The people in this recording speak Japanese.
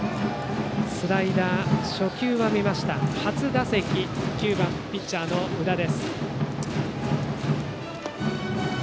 スライダー、初球は見ました初打席、９番ピッチャーの宇田。